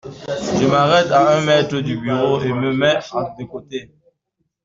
Je m’arrête à un mètre du bureau et me mets de côté.